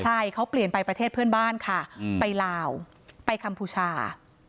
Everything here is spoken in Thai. ใช่เขาเปลี่ยนไปประเทศเพื่อนบ้านค่ะไปลาวไปคัมพูชา